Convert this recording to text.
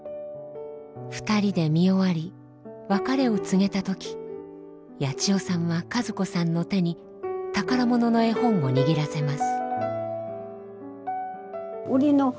２人で見終わり別れを告げた時ヤチヨさんは和子さんの手に宝物の絵本を握らせます。